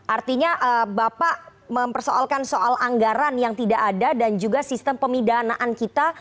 artinya bapak mempersoalkan soal anggaran yang tidak ada dan juga sistem pemidanaan kita